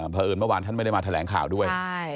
เมื่อวานท่านไม่ได้มาแถลงข่าวด้วย